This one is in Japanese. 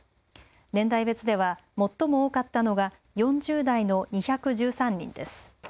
年代別では最も多かったのが４０代の２１３人です。